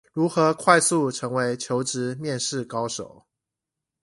如何快速成為求職面試高手